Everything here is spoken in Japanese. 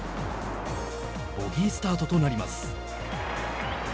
ボギースタートとなります。